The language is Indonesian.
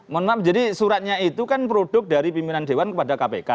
mohon maaf jadi suratnya itu kan produk dari pimpinan dewan kepada kpk